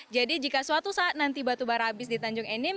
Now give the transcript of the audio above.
jadi jika suatu saat nanti batubara habis di tanjung enim